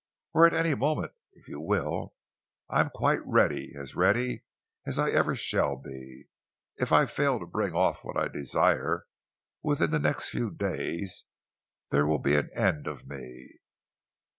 "Or at any moment, if you will. I am quite ready, as ready as I ever shall be. If I fail to bring off what I desire within the next few days, there will be an end of me.